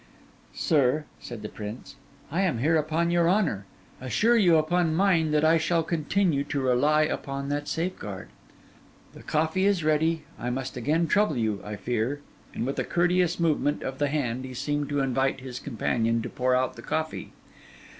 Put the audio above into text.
'Sir,' said the prince, 'I am here upon your honour; assure you upon mine that I shall continue to rely upon that safeguard. The coffee is ready; I must again trouble you, I fear.' And with a courteous movement of the hand, he seemed to invite his companion to pour out the coffee.